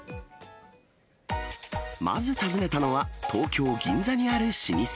まず訪ねたのは東京・銀座にある老舗。